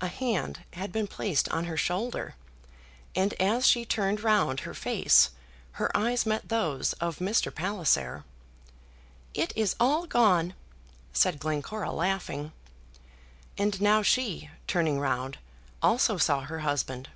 A hand had been placed on her shoulder, and as she turned round her face her eyes met those of Mr. Palliser. "It is all gone," said Glencora, laughing. And now she, turning round, also saw her husband.